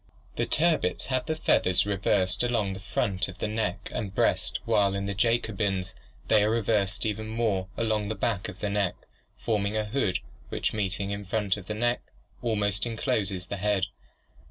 The turbits have the feathers reversed along the front of the neck and breast while in the Jacobins they are reversed even more along the back of the neck, forming a hood which, meeting in front of the neck, almost encloses the head.